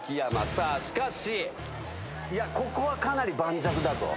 さあしかしここはかなり盤石だぞ。